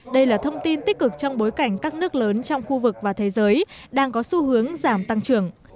đây là thông tin tích cực trong bối cảnh các nước lớn trong khu vực và thế giới đang có xu hướng giảm tăng trưởng